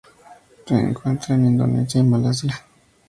Se encuentra en Indonesia y Malasia.